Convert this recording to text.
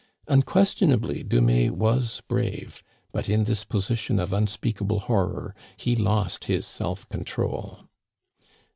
Unquestionably Dumais was brave, but in this position of unspeakable horror he lost his self control.